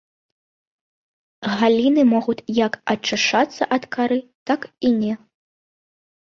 Галіны могуць як ачышчацца ад кары, так і не.